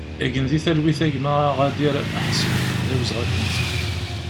Gen di talwit a gma Aɣadir Aḥsen, d awezɣi ad k-nettu!